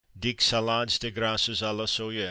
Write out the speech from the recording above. Dix Salades de Grouses à la Soyer.